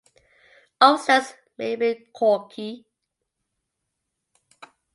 Old stems may be corky.